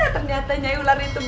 ternyata nyai ular hitam